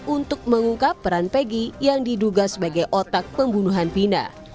untuk mengungkap peran pegi yang diduga sebagai otak pembunuhan pina